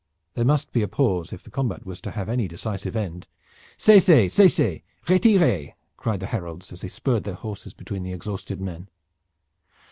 There must be a pause if the combat was to have any decisive end. "Cessez! Cessez! Retirez!" cried the heralds, as they spurred their horses between the exhausted men.